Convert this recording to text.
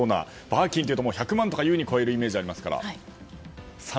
バーキンって１００万とか優に超えるイメージがありますから。